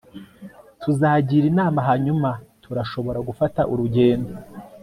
Tuzagira inama hanyuma turashobora gufata urugendo